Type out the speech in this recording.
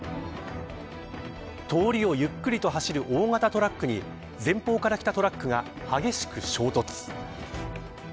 通りをゆっくりと走る大型トラックに前方からきたトラックが激しく衝突。